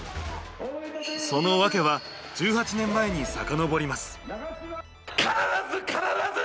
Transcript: その訳は１８年前にさかのぼります。